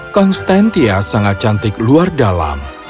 konstantia sangat cantik luar dalam